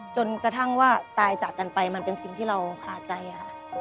จนกระทั่งว่าตายจากกันไปมันเป็นสิ่งที่เราคาใจค่ะ